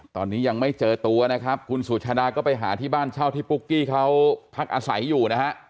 ตอนนี้ยังไม่เจอตัวนะครับคุณสุชาดาก็ไปหาที่บ้านเช่าที่ปุ๊กกี้เขาพักอาศัยอยู่นะฮะ